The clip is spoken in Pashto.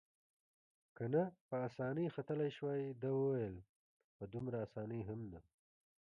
که نه په اسانۍ ختلای شوای، ده وویل: په دومره اسانۍ هم نه.